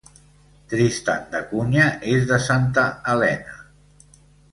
Tristan da Cunha és de Santa Elena.